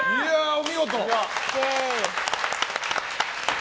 お見事！